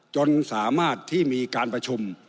จนสามารถที่มีการประชุม